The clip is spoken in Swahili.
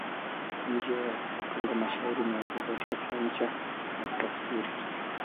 Nje ya kutunga mashairi mengi, aliandika pia insha na kutafsiri.